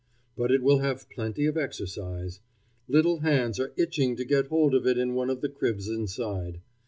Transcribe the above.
But it will have plenty of exercise. Little hands are itching to get hold of it in one of the cribs inside.